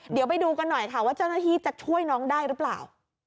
เดี๋ยวไปดูกันหน่อยค่ะว่าเจ้าหน้าที่จะช่วยน้องได้หรือเปล่า